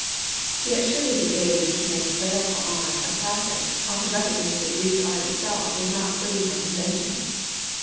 Yet surely the age which makes Laocoon a classic ought to recognize that Greek art itself was not free from conven tions.